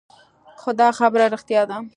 خو دا خبره رښتيا ده.